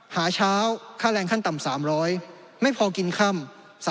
หาเช้าค่าแรงขั้นต่ำ๓๐๐ไม่พอกินค่ำ